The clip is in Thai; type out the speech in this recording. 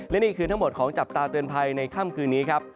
และนี่คือทั้งหมดของจับตาเตือนภัยในค่ำคืนนี้ครับ